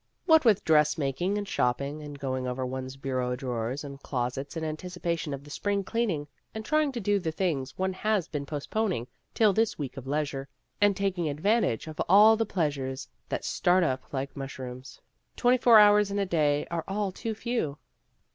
What with dress making and shopping, and going over one's bureau drawers and clos ets in anticipation of the spring cleaning, and trying to do the things one has been postponing till this week of leisure, and taking advantage of all the pleasures that start up like mush rooms, twenty four hours in a day are all too few.